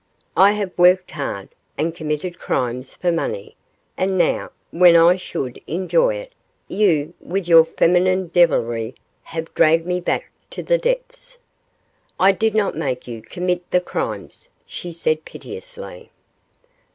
I have worked hard, and committed crimes for money, and now, when I should enjoy it, you, with your feminine devilry, have dragged me back to the depths.' 'I did not make you commit the crimes,' she said, piteously.